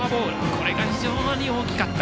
これが非常に大きかった。